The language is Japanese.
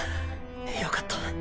よかった。